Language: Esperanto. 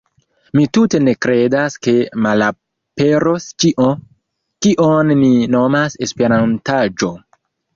Mi tute ne kredas ke malaperos ĉio, kion ni nomas “Esperantaĵo”.